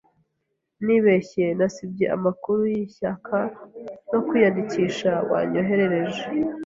Nibeshye nasibye amakuru yishyaka no kwiyandikisha wanyoherereje.